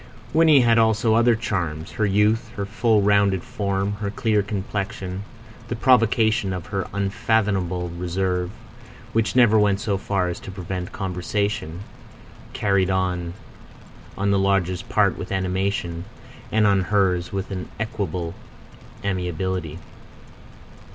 Winnie had also other charms: her youth; her full, rounded form; her clear complexion; the provocation of her unfathomable reserve, which never went so far as to prevent conversation, carried on on the lodgers' part with animation, and on hers with an equable amiability.